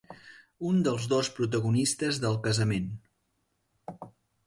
Un dels dos protagonistes del casament.